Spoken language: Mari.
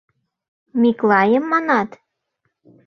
— Миклайым манат?